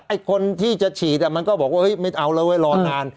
ไอ้คนที่จะฉีดมันก็บอกว่าไม่เอาแล้วไว้รอนาน